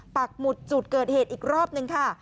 ปักหมุดจุดเกิดเหตุอีกรอบนึงค่ะ